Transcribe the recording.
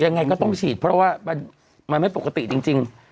ยังไงก็ต้องฉีดเพราะว่ามันไม่ปกติจริง